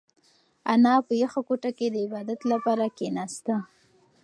انا په یخه کوټه کې د عبادت لپاره کښېناسته.